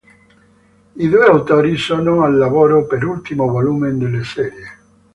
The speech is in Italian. I due autori sono al lavoro per l'ultimo volume della serie.